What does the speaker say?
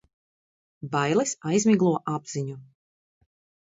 Bailes aizmiglo apziņu.